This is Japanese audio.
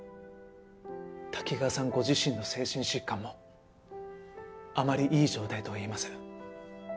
ご自身の精神疾患もあまりいい状態とはいえません。